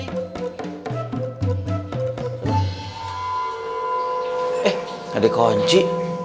eh ada kunci